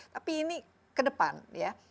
tapi ini ke depan ya